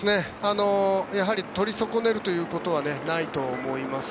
やはり取り損ねるということはないと思います。